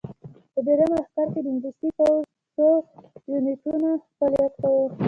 په درېیم لښکر کې د انګلیسي پوځ څو یونیټونو فعالیت کاوه.